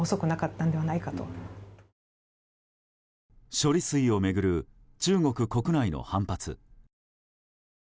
処理水を巡る中国国内の反発。